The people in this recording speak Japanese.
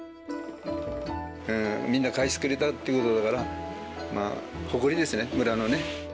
みんな返してくれたっていうことだから、まあ、誇りですよね、村のね。